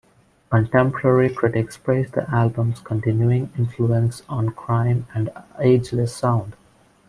Contemporary critics praised the album's continuing influence on grime and ageless sound.